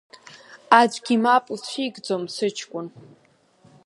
Аӡәгьы мап уцәикӡом, сыҷкәын…